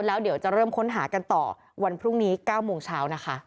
แล้วเดี๋ยวจะเริ่มค้นหากันต่อวันพรุ่งนี้๙โมงเช้านะคะ